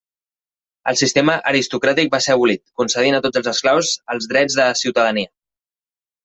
El sistema aristocràtic va ser abolit, concedint a tots els esclaus els drets de ciutadania.